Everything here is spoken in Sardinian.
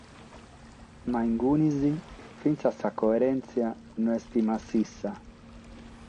Ma in cue finas sa coèrentzia no est massissa.